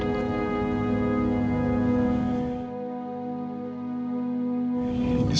dia ini aku cintakan